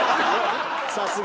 さすが。